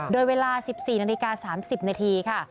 โดยเวลา๑๔นาฬิกา๓๐นาทีค่ะ